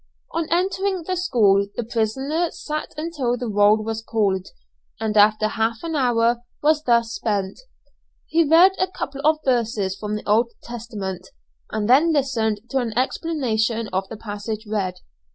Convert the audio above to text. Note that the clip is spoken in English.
On entering the school the prisoner sat until the roll was called, and after half an hour was thus spent, he read a couple of verses from the Old Testament, and then listened to an explanation of the passage read.